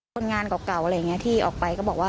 คนงานเก่าที่ออกไปก็บอกว่า